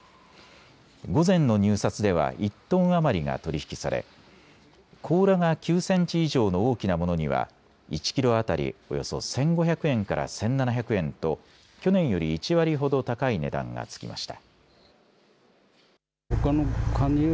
午前の入札では１トン余りが取り引きされ甲羅が９センチ以上の大きなものには１キロ当たりおよそ１５００円から１７００円と去年より１割ほど高い値段がつきました。